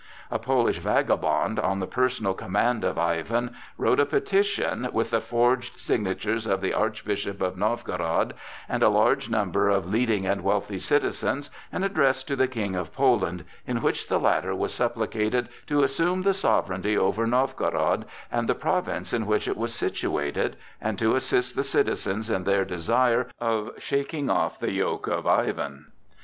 A Polish vagabond, on the personal command of Ivan, wrote a petition, with the forged signatures of the Archbishop of Novgorod and a large number of leading and wealthy citizens and addressed to the King of Poland, in which the latter was supplicated to assume the sovereignty over Novgorod and the province in which it was situated, and to assist the citizens in their desire of shaking off the yoke of Ivan.